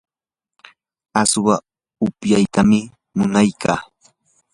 aswa upyaytam munaykan.